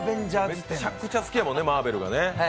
めっちゃくちゃ好きやもんね、マーベルが。